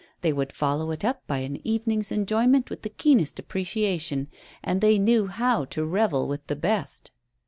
They would follow it up by an evening's enjoyment with the keenest appreciation; and they knew how to revel with the best.